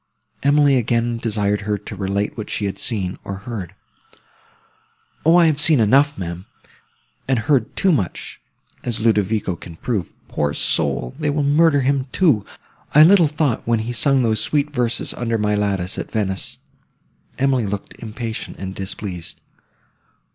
Emily again desired her to relate what she had seen, or heard. "O, I have seen enough, ma'am, and heard too much, as Ludovico can prove. Poor soul! they will murder him, too! I little thought, when he sung those sweet verses under my lattice, at Venice!"—Emily looked impatient and displeased.